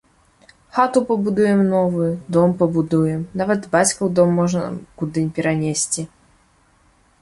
Хату пабудуем новую, дом пабудуем, нават бацькаў дом можам куды перанесці.